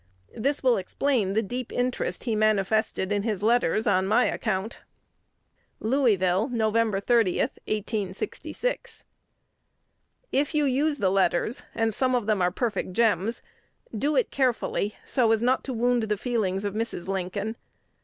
This will explain the deep interest he manifested in his letters on my account. Louisville, Nov. 30, 1866. If you use the letters (and some of them are perfect gems) do it care fully, so as not to wound the feelings of Mrs. Lincoln.